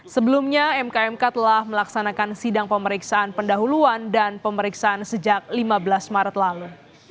sebelumnya mkmk telah melaksanakan sidang pemeriksaan pendahuluan dan pemeriksaan sejak lima belas maret lalu